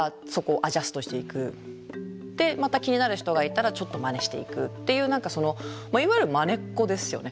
でまた気になる人がいたらちょっとまねしていくっていう何かそのいわゆるまねっこですよね。